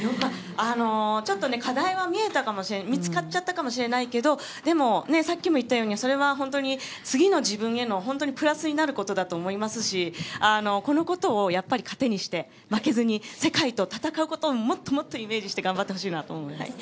ちょっとね課題は見つかっちゃったかもしれないけどでも、それは本当に次の自分へのプラスになることだと思いますしこのことを糧にして負けずに世界と戦うことをもっともっとイメージして頑張ってほしいなと思います。